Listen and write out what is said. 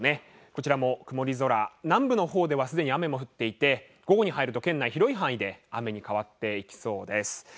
こちらも曇り空で南部の方はすでに雨が降っていて午後に入ると雨に変わっていきそうです。